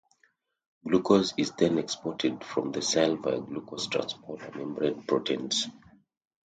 Glucose is then exported from the cell via glucose transporter membrane proteins.